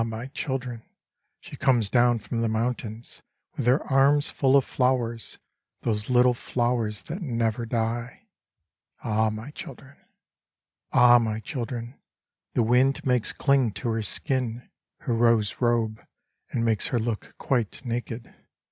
my children I she comes down from the mountains With her arms full of flowers, those little flowers that never die. Ah I my children I Ah I my children I the wind makes cling to her skin Her rose robe, and makes her look quite naked.